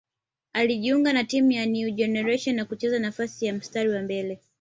Alijiunga na timu ya New Generation na kucheza nafasi ya mstari wa mbele